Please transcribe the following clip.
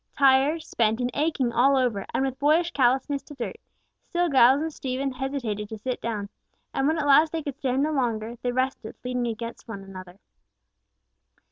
Tired, spent, and aching all over, and with boyish callousness to dirt, still Giles and Stephen hesitated to sit down, and when at last they could stand no longer, they rested, leaning against one another.